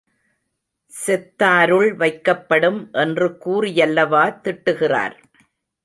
செத்தாருள் வைக்கப்படும் என்று கூறியல்லவா திட்டுகிறார்!